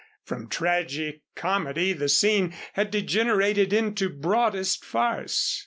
From tragic comedy the scene had degenerated into broadest farce.